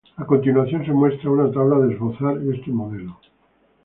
A continuación se muestra una tabla de esbozar este modelo.